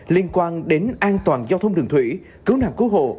liên quan đến an toàn giao thông đường thủy cứu nạn cứu hộ